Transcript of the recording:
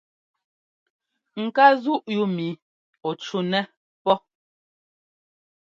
Ŋ ká zúʼ yúu mi ɔ cúnɛ pɔ́.